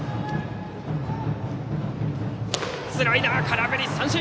スライダー、空振り三振！